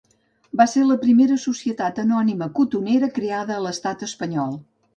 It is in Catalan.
Va ser la primera societat anònima cotonera creada a l'Estat Espanyol.